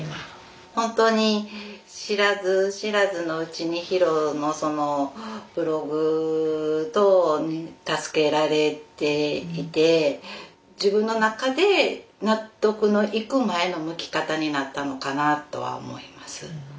本当に知らず知らずのうちにヒロのそのブログ等に助けられていて自分の中で納得のいく前の向き方になったのかなとは思います。